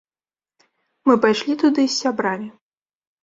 Мы пайшлі туды з сябрамі.